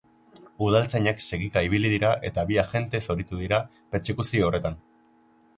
Udaltzainak segika ibili dira eta bi agente zauritu dira pertsekuzio horretan.